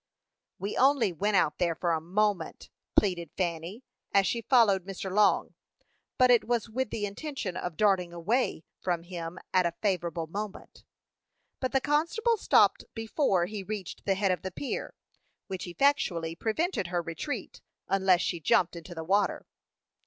"We only went out there for a moment," pleaded Fanny, as she followed Mr. Long, but it was with the intention of darting away from him at a favorable moment. But the constable stopped before he reached the head of the pier, which effectually prevented her retreat unless she jumped into the water.